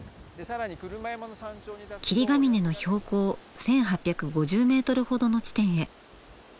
霧ヶ峰の標高１，８５０ｍほどの地点へ。